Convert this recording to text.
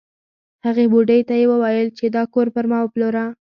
هغې بوډۍ ته یې وویل چې دا کور پر ما وپلوره.